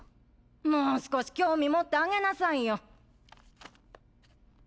もう少し興味持ってあげなさいよ。